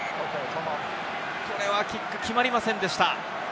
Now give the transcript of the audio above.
これはキック、決まりませんでした。